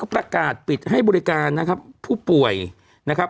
ประกาศปิดให้บริการนะครับผู้ป่วยนะครับ